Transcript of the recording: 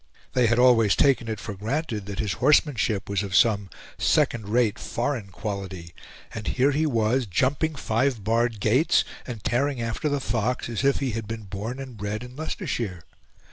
They had always taken it for granted that his horsemanship was of some second rate foreign quality, and here he was jumping five barred gates and tearing after the fox as if he had been born and bred in Leicestershire.